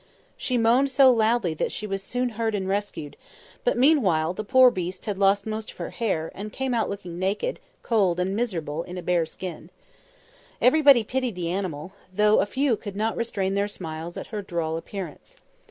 She moaned so loudly that she was soon heard and rescued; but meanwhile the poor beast had lost most of her hair, and came out looking naked, cold, and miserable, in a bare skin. Everybody pitied the animal, though a few could not restrain their smiles at her droll appearance.